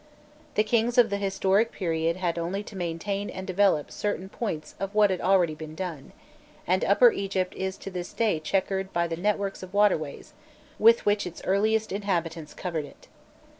The kings of the historic period had only to maintain and develop certain points of what had already been done, and Upper Egypt is to this day chequered by the network of waterways with which its earliest inhabitants covered it.